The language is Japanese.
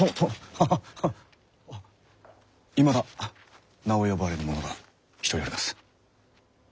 ハハハいまだ名を呼ばれぬ者が一人おります。